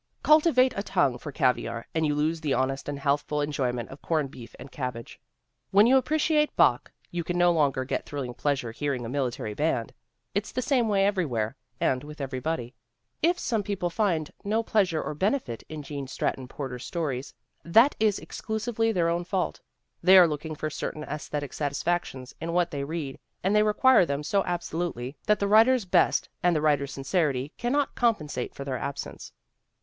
Cul tivate a tongue for caviar and you lose the honest and healthful enjoyment of corned beef and cabbage. When you appreciate Bach you can no longer get thrilling pleasure hearing a military band. It's the same way everywhere and with everybody .j If some people find no pleasure or benefit in Gene Stratton Porter's stories, that is exclusively their own fault. \ They are looking for certain aesthetic satis factions" in what they read and they require them so absolutely that the writer's best and the writer's sin cerity cannot compensate for their absence.